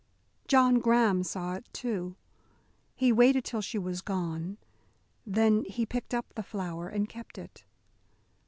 John Graham saw it, too. He waited till she was gone; then he picked up the flower and kept it.